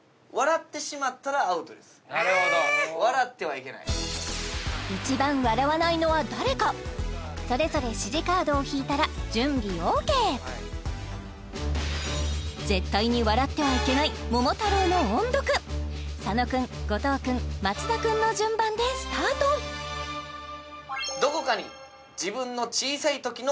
笑ってはいけない一番笑わないのは誰かそれぞれ指示カードを引いたら準備ＯＫ絶対に笑ってはいけない「桃太郎」の音読佐野君後藤君松田君の順番でスタートうわ！